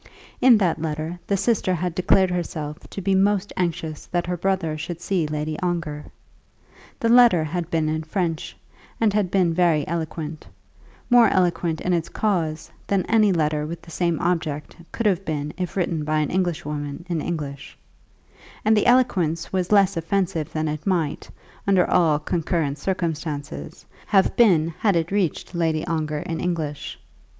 In that letter the sister had declared herself to be most anxious that her brother should see Lady Ongar. The letter had been in French, and had been very eloquent, more eloquent in its cause than any letter with the same object could have been if written by an Englishwoman in English; and the eloquence was less offensive than it might, under all concurrent circumstances, have been had it reached Lady Ongar in English.